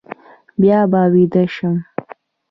بیا به ویده شم.